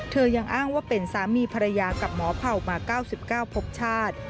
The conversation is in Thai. ยังอ้างว่าเป็นสามีภรรยากับหมอเผ่ามา๙๙พบชาติ